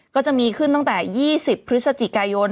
ก็จะมีขึ้นตั้งแต่๒๐พฤศจิกายน